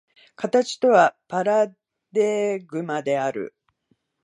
形とはパラデーグマである。